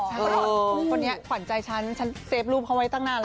คนนี้หวั่นใจฉันฉันเซฟรูปเขาไว้ตั้งหน้าเลย